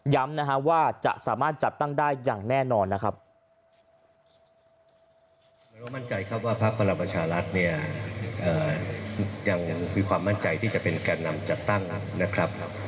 นะฮะว่าจะสามารถจัดตั้งได้อย่างแน่นอนนะครับ